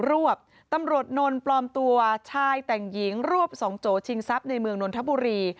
รวบตำรวจนนปลอมตัวชายแต่งหญิงรวบสองโจชิงทรัพย์ในเมืองนนทบุรี